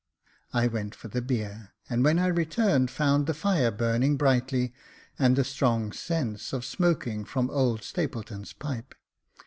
I went for the beer, and when I returned found the fire burning brightly, and a strong sense of smoking from old Stapleton's pipe.